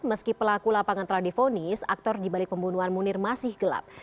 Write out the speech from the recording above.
meski pelaku lapangan telah difonis aktor dibalik pembunuhan munir masih gelap